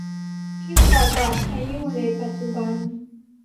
ที่ประกาศใช้อยู่ในปัจจุบัน